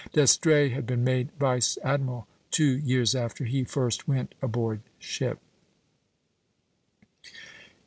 " D'Estrées had been made vice admiral two years after he first went aboard ship.